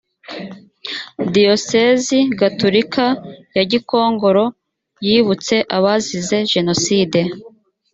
diyoseze gatulika ya gikongoro yibutse abazize jenoside